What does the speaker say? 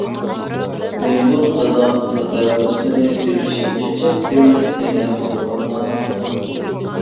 ئۇيغۇر، قازاق، تاتار، رۇسلىرى بىرلىشىپ چۆچەك تىلىنى پەيدا قىلىۋالغان.